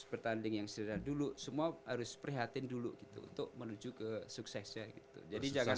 bertanding yang sederhana dulu semua harus prihatin dulu gitu untuk menuju ke suksesnya gitu jadi jangan